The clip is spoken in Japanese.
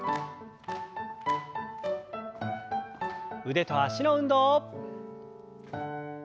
腕と脚の運動。